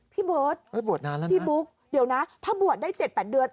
พี่เบิร์ตพี่บุ๊คเดี๋ยวนะถ้าบวชได้๗๘เดือน